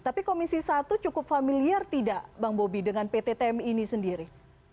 tapi komisi satu cukup familiar tidak bang bobi dengan pt tmi ini sendiri